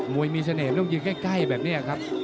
วยมีเสน่ห์ลูกยืนใกล้แบบนี้ครับ